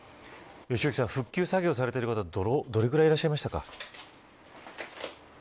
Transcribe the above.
良幸さん、復旧作業されている方はどれぐらいいらっしゃいましたか。